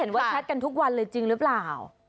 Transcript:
ว่าแชทกันทุกวันเลยจริงหรือเปล่า